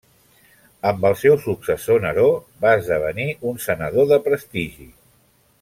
Amb el seu successor Neró, va esdevenir un senador de prestigi.